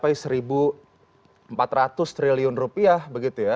tadi diprediksi sampai mencapai seribu empat ratus triliun rupiah begitu ya